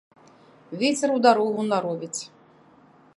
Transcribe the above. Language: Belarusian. Вецер у дарогу наровіць.